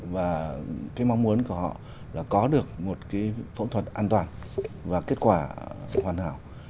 và cái mong muốn của họ là có được một cái phẫu thuật an toàn và kết quả sự hoàn hảo